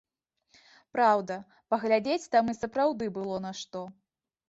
Праўда, паглядзець там і сапраўды было на што.